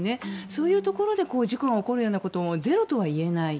そういうところで事故が起こるようなこともゼロとは言えない。